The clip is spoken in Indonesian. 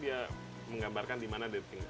sensasi meledak ledak di mulut itu yang mahal